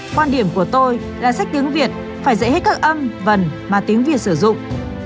quan điểm của tôi là sách tiếng việt phải dạy hết các âm vần mà tiếng việt sử dụng